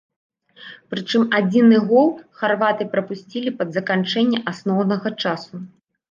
Прычым адзіны гол харваты прапусцілі пад заканчэнне асноўнага часу.